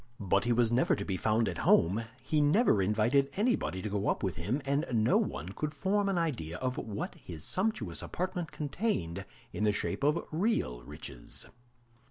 But he was never to be found at home; he never invited anybody to go up with him, and no one could form an idea of what his sumptuous apartment contained in the shape of real riches.